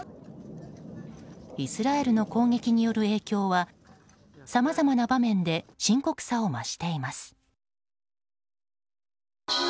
イスラエルの攻撃による影響はさまざまな場面で深刻さを増しています。